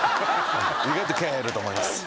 意外と気合入ると思います。